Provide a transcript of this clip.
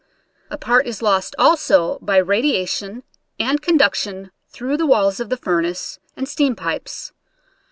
A part is lost also by radiation and conduction through the walls of the furnace and steam pipes.